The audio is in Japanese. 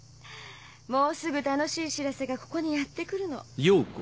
もうすぐ楽しい知らせがここにやってくるの。